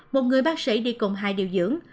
một người bác sĩ đi cùng hai điều dưỡng